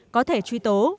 có thể truy tố